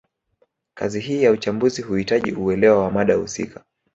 Kazi hii ya uchambuzi huhitaji uelewa wa mada husika